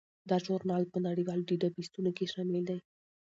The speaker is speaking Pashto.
دا ژورنال په نړیوالو ډیټابیسونو کې شامل دی.